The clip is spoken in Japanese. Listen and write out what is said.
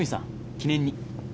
記念に。